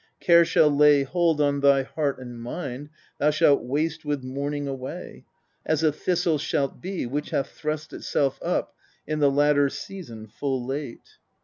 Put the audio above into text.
Care shall lay hold on thy heart and mind, thou shalt waste with mourning away, as a thistle shalt be which hath thrust itself up in the latter season full late.